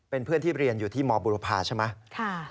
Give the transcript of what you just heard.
เป็นเพื่อนที่เรียนอยู่ที่มบุรพาใช่ไหม